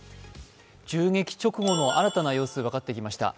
銃撃直後の新たな様子が分かってきました。